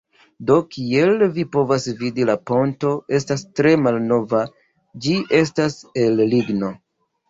Do, kiel vi povas vidi la ponto estas tre malnova ĝi estas el ligno